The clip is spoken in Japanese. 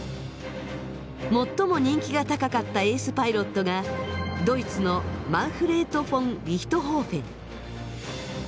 最も人気が高かったエースパイロットがドイツのマンフレート・フォン・リヒトホーフェン。